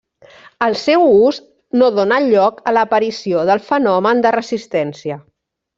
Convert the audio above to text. El seu ús no dóna lloc a l’aparició del fenomen de resistència.